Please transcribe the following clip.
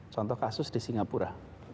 contoh kasus di singapura